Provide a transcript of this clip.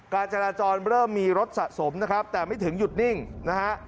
การจราจรเริ่มมีรถสะสมนะครับแต่ไม่ถึงหยุดนิ่งนะฮะ